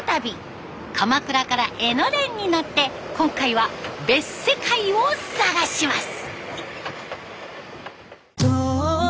鎌倉から江ノ電に乗って今回は「別世界」を探します。